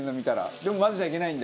でも混ぜちゃいけないんだ。